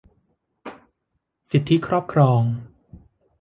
สิทธิครอบครอง